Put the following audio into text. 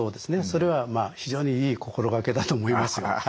それはまあ非常にいい心掛けだと思いますよ。